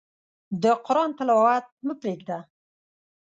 د قرآن تلاوت مه پرېږده.